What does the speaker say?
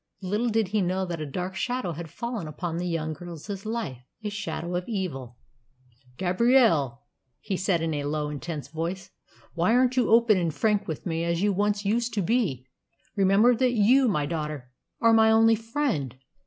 Little did he know that a dark shadow had fallen upon the young girl's life a shadow of evil. "Gabrielle," he said in a low, intense voice, "why aren't you open and frank with me as you once used to be? Remember that you, my daughter, are my only friend!"